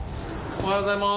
おはようございます。